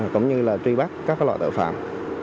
cũng như là truy bắt các loại tội phạm